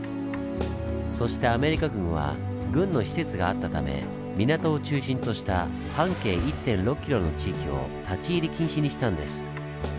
そしてアメリカ軍は軍の施設があったため港を中心とした半径１．６ｋｍの地域を立ち入り禁止にしたんです。